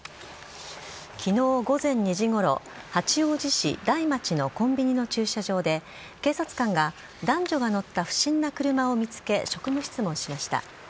きのう午前２時ごろ、八王子市台町のコンビニの駐車場で、警察官が男女が乗った不審な車を見つけ、職務質問しました。